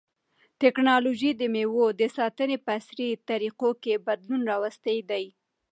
تکنالوژي د مېوو د ساتنې په عصري طریقو کې بدلون راوستی دی.